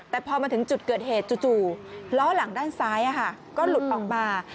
แต่พอมาถึงจุดเกิดเหตุจู่ล้อหลังด้านซ้ายก็หลุดออกมา